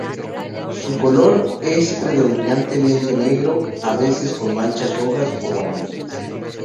Su color es predominantemente negro, a veces con manchas rojas o amarillas.